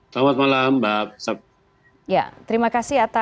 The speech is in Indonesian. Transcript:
selamat malam mbak